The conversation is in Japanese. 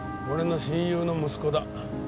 俺の親友の息子だ。